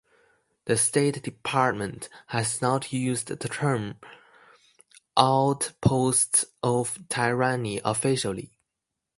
The State Department has not used the term "outposts of tyranny" officially.